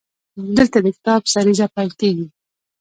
دلته د کتاب سریزه پیل کیږي.